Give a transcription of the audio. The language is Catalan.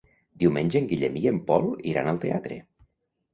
Diumenge en Guillem i en Pol iran al teatre.